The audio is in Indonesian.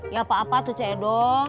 ya apa apa tuh cendol